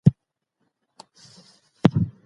تاسو باید د انساني رفتار لپاره عملي کړنلارې وړاندې کړئ.